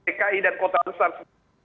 dki dan kota besar